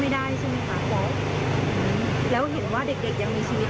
มาขอให้เป็นช่วย